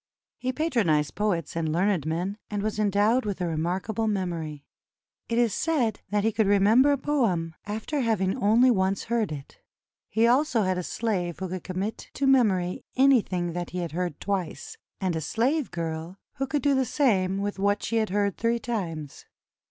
He patronized poets and learned men, and was endowed with a remarkable memory. It is said that he could re member a poem after having only once heard it. He also had a slave who could commit to memory anything that he had heard twice, and a slave girl who could do the same with what she had heard three times.